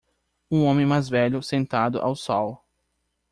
Um homem mais velho sentado ao sol.